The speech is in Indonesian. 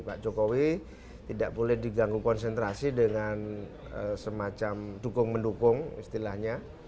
pak jokowi tidak boleh diganggu konsentrasi dengan semacam dukung mendukung istilahnya